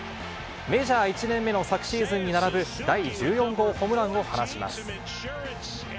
メジャー１年目の昨シーズンに並ぶ第１４号ホームランを放ちます。